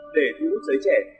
để thu hút giới trẻ